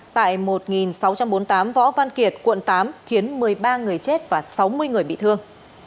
tại một sáu trăm bốn mươi tám võ văn kiệt quận tám khiến một mươi ba người chết và sáu mươi người bị thương